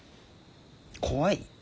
怖い？